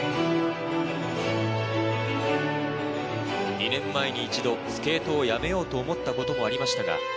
２年前に一度スケートをやめようと思ったこともありましたが